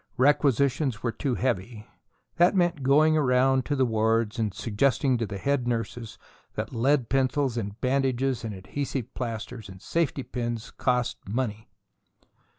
Requisitions were too heavy that meant going around to the wards and suggesting to the head nurses that lead pencils and bandages and adhesive plaster and safety pins cost money.